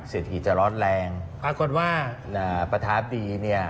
เสร็จที่จะร้อนแรงปรากฏว่าประทานดีเนี่ย